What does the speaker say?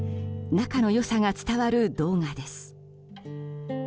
仲の良さが伝わる動画です。